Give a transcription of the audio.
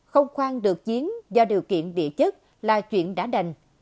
không khoan được chiến do điều kiện địa chất là chuyện đã đành